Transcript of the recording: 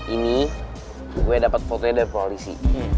ini gue dapat fotonya dari polisi